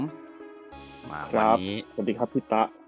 สวัสดีครับพี่ตะ